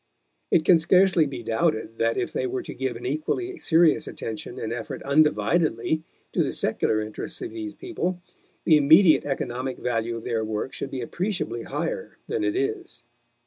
It can scarcely be doubted that if they were to give an equally serious attention and effort undividedly to the secular interests of these people, the immediate economic value of their work should be appreciably higher than it is.